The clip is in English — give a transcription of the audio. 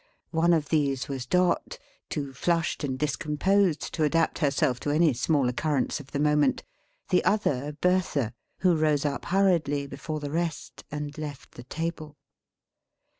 One of these was Dot, too flushed and discomposed to adapt herself to any small occurrence of the moment; the other Bertha, who rose up hurriedly, before the rest, and left the table.